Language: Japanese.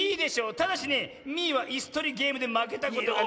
ただしねミーはいすとりゲームでまけたことがない。